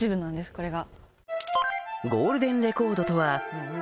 これが。